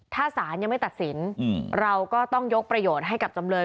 ถ้าศาลยังไม่ตัดสินเราก็ต้องยกประโยชน์ให้กับจำเลย